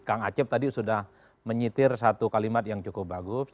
kang acep tadi sudah menyitir satu kalimat yang cukup bagus